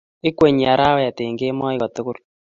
Ikwenyi arawet eng kemoi kotugul